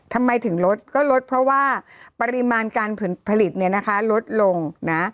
ทำไมถึงลดก็ลดเพราะว่าปริมาณการผลิตเนี่ยนะคะลดลงนะ